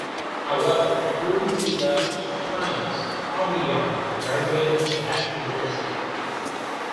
However, according to "The Times", Obiang graduated from that university.